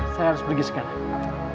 saya harus pergi sekarang